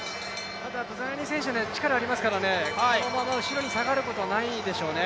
ブザヤニ選手、力がありますから、このまま後ろに下がることはないでしょうね。